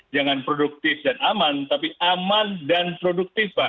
jangan produktif dan aman tapi aman dan produktif pak